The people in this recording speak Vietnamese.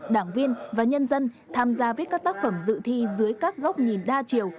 đảng viên và nhân dân tham gia viết các tác phẩm dự thi dưới các góc nhìn đa chiều